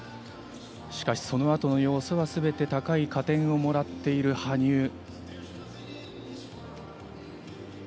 しかし、そのあとの要素は全て高い加点をもらっている羽生。